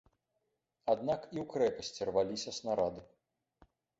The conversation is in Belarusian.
Аднак і ў крэпасці рваліся снарады.